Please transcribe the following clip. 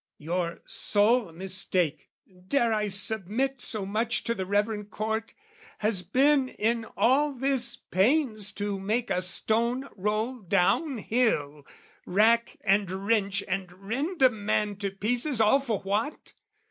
Your sole mistake, dare I submit so much To the reverend Court? has been in all this pains To make a stone roll down hill, rack and wrench And rend a man to pieces, all for what?